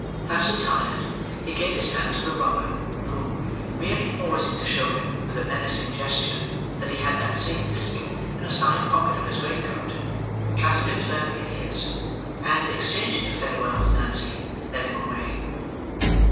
Thus attired, he gave his hand to the robber, who, merely pausing to show him with a menacing gesture that he had that same pistol in a side pocket of his great coat, clasped it firmly in his, and, exchanging a farewell with Nancy, led him away.